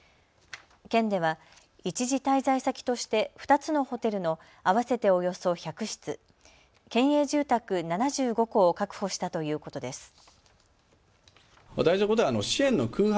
県では一時滞在先として２つのホテルの合わせておよそ１００室、県営住宅７５戸を確保したということです。